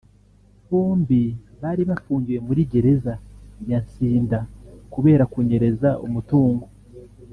bombi bari bafungiwe muri gereza ya Nsinda kubera kunyereza umutungo